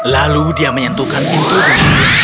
lalu dia menyentuhkan pintu istana